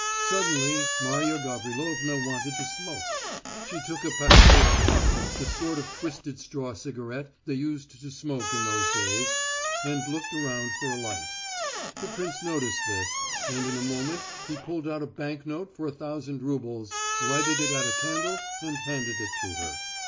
Suddenly, Marya Gavrilovna wanted to smoke. She took a packetoska the sort of twisted straw cigarette they used to smoke in those days and looked round for a light. The prince noticed this, and in a moment he pulled out a bank note for a thousand roubles, lighted it at a candle and handed it to her.